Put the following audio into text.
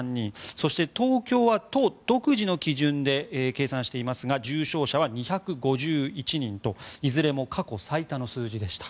そして東京は都独自の基準で計算していますが重症者は２５１人といずれも過去最多の数字でした。